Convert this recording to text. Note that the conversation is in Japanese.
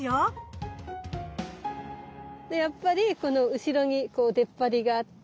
でやっぱりこの後ろにこう出っ張りがあって。